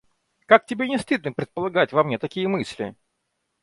Как тебе не стыдно предполагать во мне такие мысли!